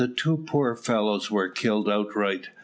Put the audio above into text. Two poor fellows were killed outright.